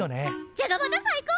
じゃがバタ最高！